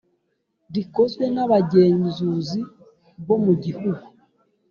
rikozwe nabagenzuzi bo mu gihugu